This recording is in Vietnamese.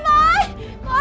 có ai không